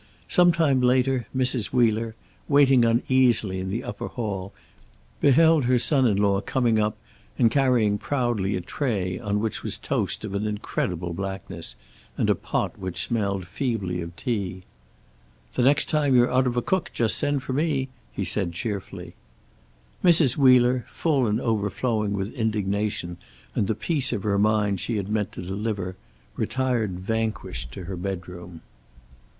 Some time later Mrs. Wheeler, waiting uneasily in the upper hall, beheld her son in law coming up and carrying proudly a tray on which was toast of an incredible blackness, and a pot which smelled feebly of tea. "The next time you're out of a cook just send for me," he said cheerfully. Mrs. Wheeler, full and overflowing with indignation and the piece of her mind she had meant to deliver, retired vanquished to her bedroom.